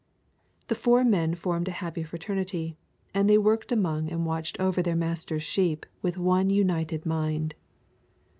The four men formed a happy fraternity, and they worked among and watched over their Master's sheep with one united mind.